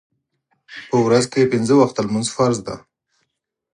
په ورځ کې پنځه وخته لمونځ فرض دی.